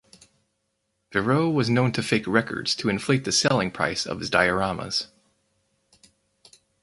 Verreaux was known to fake records to inflate the selling price of his dioramas.